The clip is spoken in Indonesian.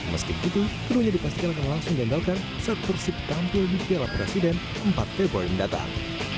meski begitu keduanya dipastikan akan langsung diandalkan saat persib tampil di piala presiden empat februari mendatang